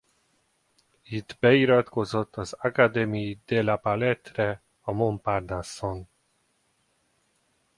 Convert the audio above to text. Itt beiratkozott az Académie de la Palette-re a Montparnasse-on.